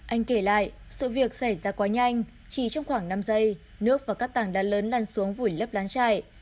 anh kể lại sự việc xảy ra quá nhanh chỉ trong khoảng năm giây nước và các tảng đá lớn lan xuống vùi lấp lán chạy